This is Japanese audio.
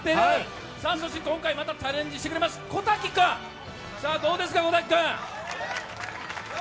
今回またチャレンジしてくれます小瀧君、どうですか？